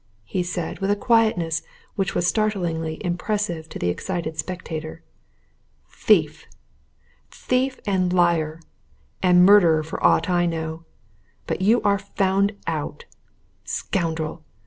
he said, with a quietness which was startlingly impressive to the excited spectator. "Thief! Thief and liar and murderer, for aught I know! But you are found out. Scoundrel!